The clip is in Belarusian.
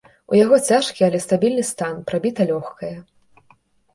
У яго цяжкі, але стабільны стан, прабіта лёгкае.